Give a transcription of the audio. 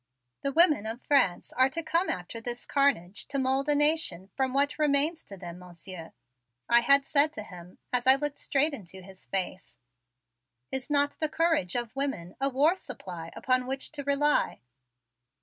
"The women of France are to come after this carnage to mold a nation from what remains to them, Monsieur," I had said to him as I looked straight into his face. "Is not the courage of women a war supply upon which to rely?"